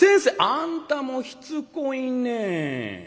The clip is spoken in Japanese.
「あんたもひつこいねえ。